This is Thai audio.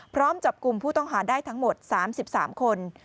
พร้อมจับกลุ่มผู้ต้องหาได้ทั้งหมด๓๓คน